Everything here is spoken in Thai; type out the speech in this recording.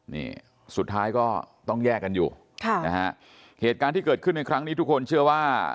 นี่สุดท้ายก็ต้องแยกกันอยู่ค่ะนะฮะเหตุการณ์ที่เกิดขึ้นในครั้งนี้ทุกคนเชื่อว่า